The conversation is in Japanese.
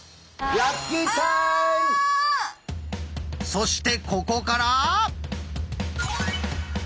そしてここから。